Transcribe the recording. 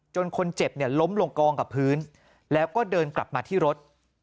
คนเจ็บล้มลงกองกับพื้นแล้วก็เดินกลับมาที่รถ